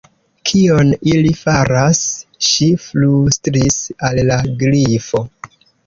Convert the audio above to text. "Kion ili faras?" ŝi flustris al la Grifo.